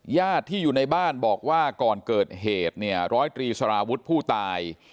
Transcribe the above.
ญาติที่อยู่ในบ้านบอกว่าก่อนเกิดเหตุเนี่ยร้อยตรีสารวุฒิผู้ตาย